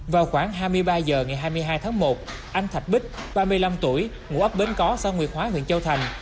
vào khoảng hai mươi ba h ngày hai mươi hai tháng một anh thạch bích ba mươi năm tuổi ngụ ấp bến có xã nguyệt hóa huyện châu thành